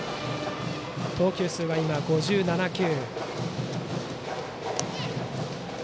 投球数は５７球。